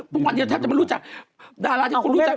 พรุ่งวันที่เราทำจะไม่รู้จักดาราที่คุณรู้จัก